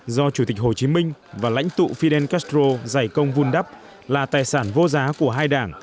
do chủ tịch hồ chí minh và lãnh tụ fidel castro giải công vun đắp là tài sản vô giá của hai đảng